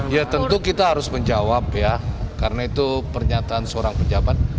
ya tentu kita harus menjawab ya karena itu pernyataan seorang pejabat